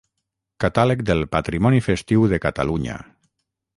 Catàleg del Patrimoni Festiu de Catalunya.